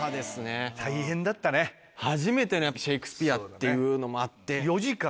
初めてのシェークスピアっていうのもあって。